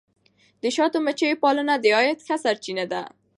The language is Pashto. د شاتو مچیو پالنه د عاید ښه سرچینه ده.